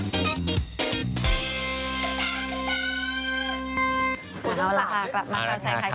มาแล้วล่ะค่ะกลับมาภาวใส่แข้นกันต่อค่ะ